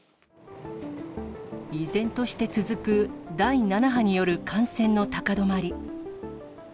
依然として続く第７波による感染の高止まり。